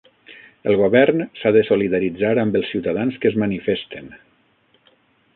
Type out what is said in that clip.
El govern s'ha de solidaritzar amb els ciutadans que es manifesten.